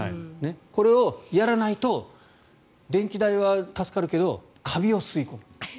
これをやらないと電気代は助かるけどカビを吸い込む。